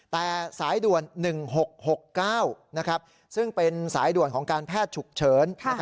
แต่สายด่วน๑๖๖๙ซึ่งเป็นสายด่วนของการแพทย์ฉุกเฉิน